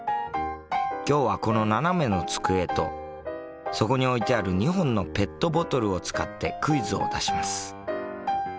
今日はこの斜めの机とそこに置いてある２本のペットボトルを使ってクイズを出します。